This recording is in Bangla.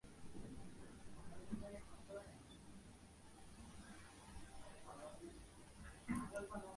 অবশ্য ডিজিটাল বাংলাদেশ নামকরণ করায় এ নিয়ে সম্ভাবনা ও ভয় দুটোই আছে।